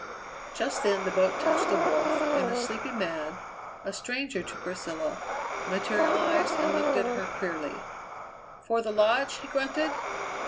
Just then the boat touched the wharf, and a sleepy man, a stranger to Priscilla, materialized and looked at her queerly. "For the Lodge?" he grunted.